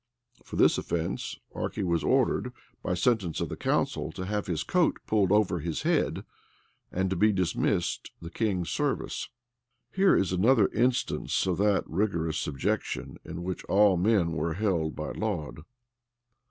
For this offence Archy was ordered, by sentence of the council, to have his coat pulled over his head and to be dismissed the king's service.[] Here is another instance of that rigorous subjection in which all men were held by Laud.